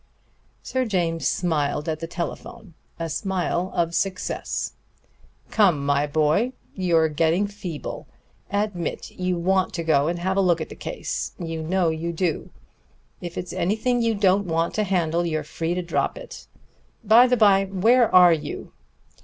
Sir James smiled at the telephone: a smile of success. "Come, my boy, you're getting feeble. Admit you want to go and have a look at the case. You know you do. If it's anything you don't want to handle, you're free to drop it. By the bye, where are you?"